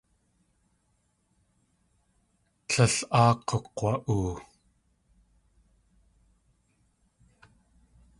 Tlél áa k̲ukg̲wa.oo.